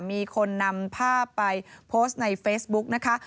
มีคนนำภาพไปโพสต์ในเฟซบุ๊กนะคะ